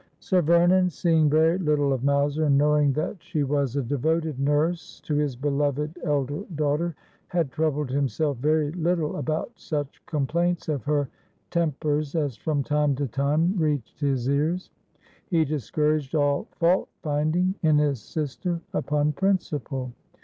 Sir Vernon, seeing very little of Mowser, and knowing that she was a devoted nurse to his beloved elder daughter, had troubled himself very little about such complaints of her ' tem pers' as from time to time reached his ears. He discouraged all fault finding in his sister upon principle.